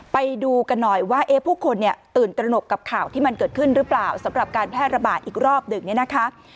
ไปดูกันหน่อยว่าผู้คนเนี่ยตื่นตระหนกกับข่าวที่มันเกิดขึ้นหรือเปล่าสำหรับการแพร่ระบาดอีกรอบหนึ่งเนี่ยนะคะ